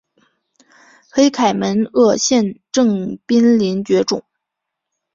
黑凯门鳄现正濒临绝种。